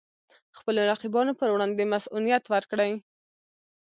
خپلو رقیبانو پر وړاندې مصئونیت ورکړي.